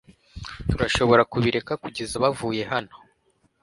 Turashobora kubireka kugeza bavuye hano .